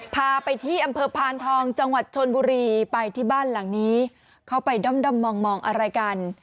พาไปที่อำเภอพานทองจังหวัดชนบุรีไปที่บ้านหลังนี้เขาไปด้อมมองอะไรกัน